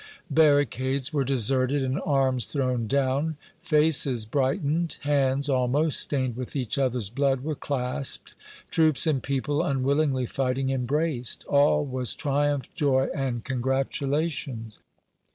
Barricades were deserted and arms thrown down; faces brightened, hands, almost stained with each other's blood, were clasped; troops and people, unwillingly fighting, embraced; all was triumph, joy and congratulation.